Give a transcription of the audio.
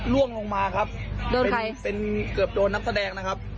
ล่วงลงมาครับเป็นเกือบโดนนักแสดงนะครับ